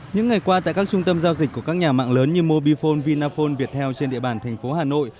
những ngày qua tại các trung tâm giao dịch của các nhà mạng lớn như mobifone vinaphone viettel trên địa bàn thành phố hà nội